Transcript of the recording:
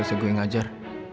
mama disini ngajar